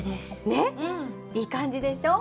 ねっいい感じでしょう？